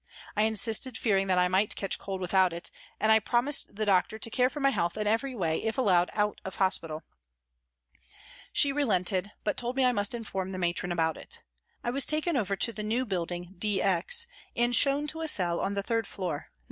I insisted, fearing that I might catch cold without it, and I promised the doctor to care for my health in every way if allowed out of hospital. She relented, but told me I must inform the matron about it. I was taken over to the new building " D X," and shown to a cell on the third floor, No.